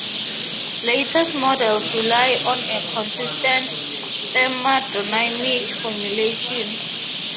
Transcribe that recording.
Latest models rely on a consistent thermodynamic formulation.